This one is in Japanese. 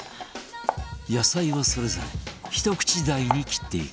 野菜はそれぞれひと口大に切っていく